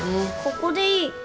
ここでいい。